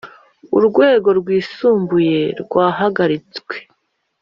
urwego Rwisumbuye rwahagaritswe